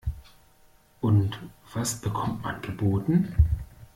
Und was bekommt man geboten?